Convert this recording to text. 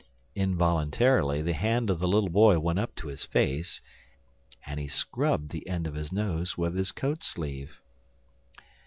Involuntarily the hand of the little boy went up to his face, and he scrubbed the end of his nose with his coat sleeve.